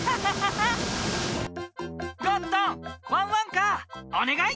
ゴットンワンワンカーおねがい！